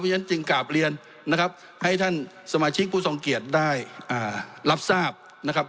เพราะฉะนั้นจึงกราบเรียนนะครับให้ท่านสมาชิกผู้ทรงเกียจได้รับทราบนะครับ